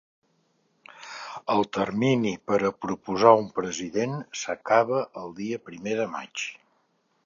El termini per a proposar un president s’acaba el dia primer de maig.